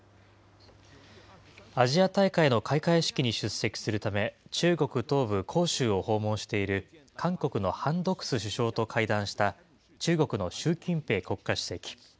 アジア大会の開会式に出席するため、中国東部、杭州を訪問している、韓国のハン・ドクス首相と会談した中国の習近平国家主席。